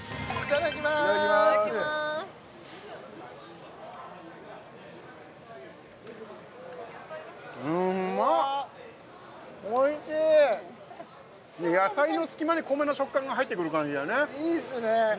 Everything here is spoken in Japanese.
いただきまーすおいしい野菜の隙間に米の食感が入ってくる感じだねいいですね